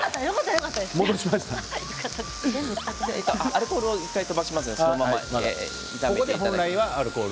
アルコールを１回飛ばします。